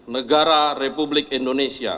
negara republik indonesia